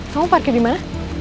kamu parkir dimana